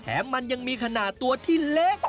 มันยังมีขนาดตัวที่เล็ก